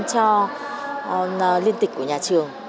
cho liên tịch của nhà trường